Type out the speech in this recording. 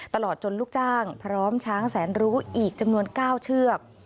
ตลอดจนลูกจ้างพร้อมช้างแสนรู้อีกจำนวน๙เชือก